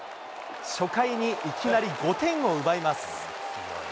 初回にいきなり５点を奪います。